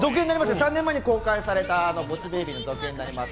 ３年前に公開された『ボス・ベイビー』の続編です。